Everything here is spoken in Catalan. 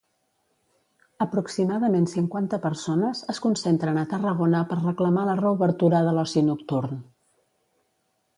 Aproximadament cinquanta persones es concentren a Tarragona per reclamar la reobertura de l'oci nocturn.